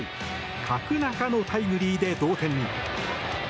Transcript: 角中のタイムリーで同点に。